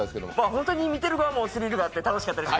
本当に見てる側もスリルがあって楽しかったです。